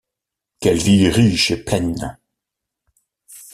Quelle vie riche et pleine !